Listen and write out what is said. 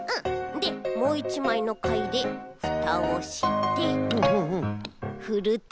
でもういちまいのかいでふたをしてふると。